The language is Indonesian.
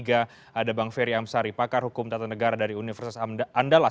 ada bang ferry amsari pakar hukum tata negara dari universitas andalas